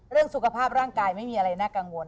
เรื่องสุขภาพร่างกายไม่มีอะไรน่ากังวล